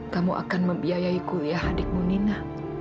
kamu akan membiayai kuliah adikmu nina